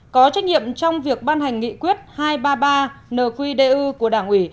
có trách nhiệm trong việc ban hành nghị quyết hai trăm ba mươi ba nqdu của đảng ủy